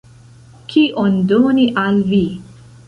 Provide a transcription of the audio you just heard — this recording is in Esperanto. Kion doni al vi?